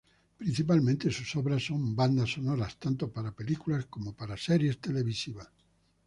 Principalmente, sus obras son bandas sonoras, tanto para películas como para series televisivas.